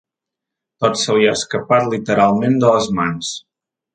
Tot se li ha escapat literalment de les mans.